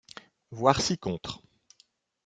Voir ci-contre.